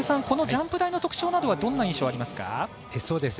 このジャンプ台の特徴などはどんな印象、ありますか。